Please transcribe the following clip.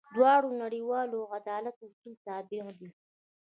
دواړه د نړیوال عدالت اصولو تابع دي.